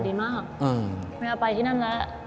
บรรยากาศนั้นเป็นยังไงบ้างอ่ะหลายคนบอกว่า